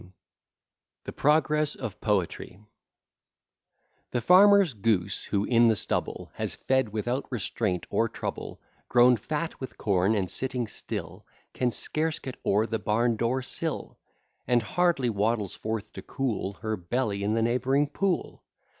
] THE PROGRESS OF POETRY The farmer's goose, who in the stubble Has fed without restraint or trouble, Grown fat with corn and sitting still, Can scarce get o'er the barn door sill; And hardly waddles forth to cool Her belly in the neighbouring pool!